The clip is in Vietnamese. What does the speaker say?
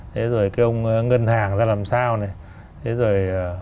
thế rồi cái ông ngân hàng ra làm sao này